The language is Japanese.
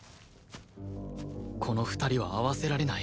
この２人は合わせられない